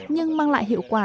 nhưng mang lại hiệu quả